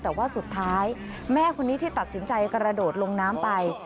แต่ว่าสุดท้ายแม่คนนี้ที่ตัดสินใจกระโดดลงน้ำไป